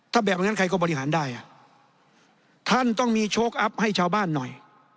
ถ้าแบบอย่างนั้นใครก็บริหารได้อ่ะท่านต้องมีโชคอัพให้ชาวบ้านหน่อย